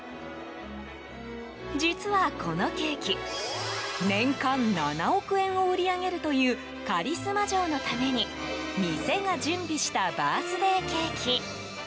実はこのケーキ年間７億円を売り上げるというカリスマ嬢のために店が準備したバースデーケーキ。